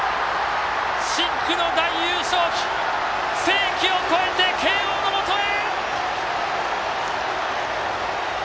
深紅の大優勝旗世紀を超えて慶応のもとへ！